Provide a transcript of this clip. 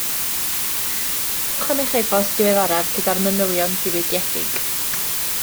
Diolch am eich e-bost diweddaraf gyda'r manylion diwygiedig